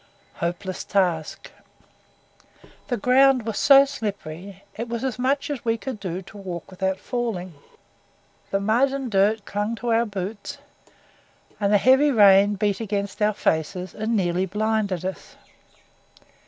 Hopeless task! The ground was so slippery, it was as much as we could do to walk without falling; the mud and dirt clung to our boots, and a heavy rain beat against our faces and nearly blinded us.